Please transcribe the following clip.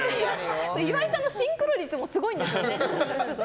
岩井さんのシンクロ率もすごいんですよね。